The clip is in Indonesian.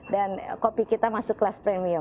dan kopi kita masuk kelas premium